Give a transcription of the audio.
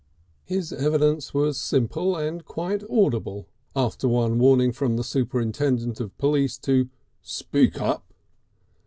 His evidence was simple and quite audible after one warning from the superintendent of police to "speak up."